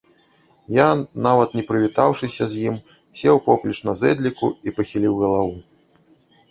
Я, нават не прывітаўшыся з ім, сеў поплеч на зэдліку і пахіліў галаву.